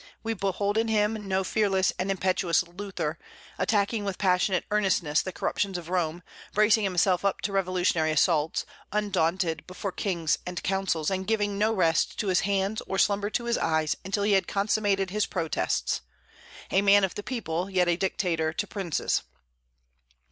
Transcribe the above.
We behold in him no fearless and impetuous Luther, attacking with passionate earnestness the corruptions of Rome; bracing himself up to revolutionary assaults, undaunted before kings and councils, and giving no rest to his hands or slumber to his eyes until he had consummated his protests, a man of the people, yet a dictator to princes.